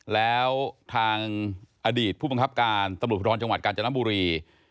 แล้วทางอดีตผู้บังคับการตำรวจภูทรจังหวัดกาญจนบุรี